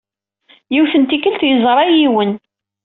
Yiwet n tikkelt, yeẓra yiwen.